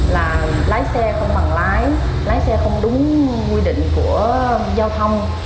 là lái xe không bằng lái lái xe không đúng quy định của giao thông